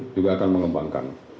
juga akan mengembangkan